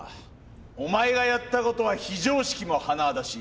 お前がやった事は非常識も甚だしい。